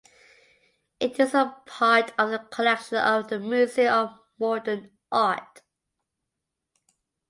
It is part of the collection of the Museum of Modern Art.